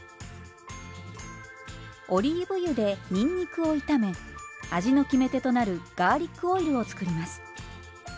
オリーブ油でにんにくを炒め味の決め手となるガーリックオイルを作ります。